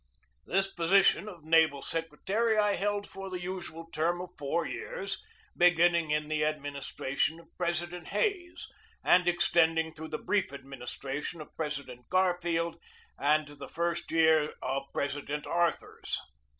This position of naval secretary I held for the usual term of four years, beginning in the adminis tration of President Hayes, and extending through the brief administration of President Garfield and the first year of President Arthur's.